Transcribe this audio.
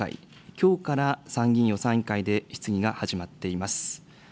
きょうから参議院予算委員会で質疑が始まっています。